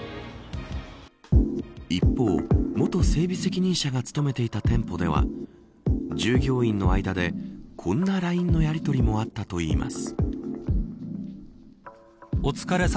一方、元整備責任者が勤めていた店舗では従業員の間でこんなＬＩＮＥのやり取りもあったといいます。